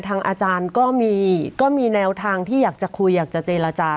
อาจารย์ก็มีแนวทางที่อยากจะคุยอยากจะเจรจา